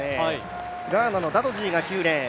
ガーナのダドジーが９レーン。